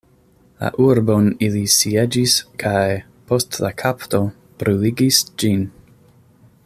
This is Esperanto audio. La urbon ili sieĝis kaj, post la kapto, bruligis ĝin.